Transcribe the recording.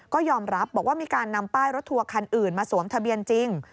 ก็ยอมรับบอกว่ามีการนำป้ายรถทัวร์คันอื่นมาสวมทะเบียนจริง